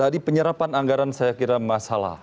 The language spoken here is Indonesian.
di penyerapan anggaran saya kira masalah